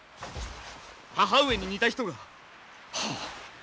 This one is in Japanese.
母上に似た人が？はっ。